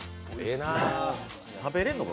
食べれるのか？